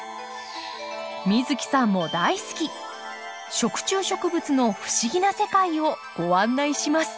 美月さんも大好き食虫植物の不思議な世界をご案内します。